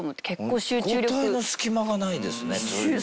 交代の隙間がないですね。